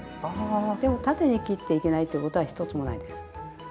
でも縦に切っていけないってことは一つもないです。